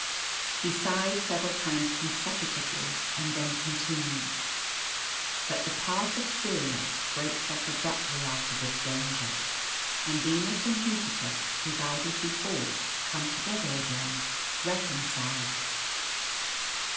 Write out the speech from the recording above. He sighed several times consecutively, and then continued, "But the path of Sirius breaks off abruptly after this danger, and Venus and Jupiter, divided before, come together again, reconciled."